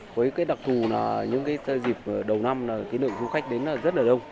với cái đặc thù là những cái dịp đầu năm là cái lượng du khách đến là rất là đông